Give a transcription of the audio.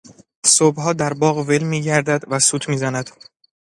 صبحها در باغ ول میگردد و سوت میزند.